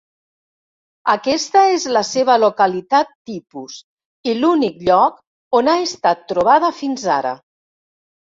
Aquesta és la seva localitat tipus i l'únic lloc on ha estat trobada fins ara.